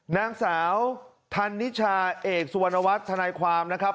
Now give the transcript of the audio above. นางสาวธันนิชาเอกสุวรรณวัฒน์ทนายความนะครับ